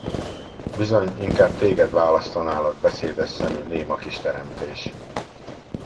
Bizony, inkább téged választanálak, beszédes szemű, néma kis teremtés!